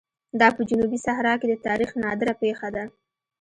دا په جنوبي صحرا کې د تاریخ نادره پېښه ده.